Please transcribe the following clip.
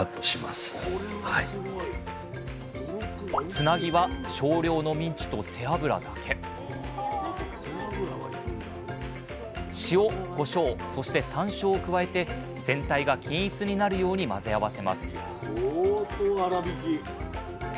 つなぎは少量のミンチと背脂だけ塩コショウそしてサンショウを加えて全体が均一になるように混ぜ合わせます相当粗びき。